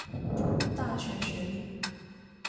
大学学历。